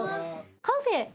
カフェ。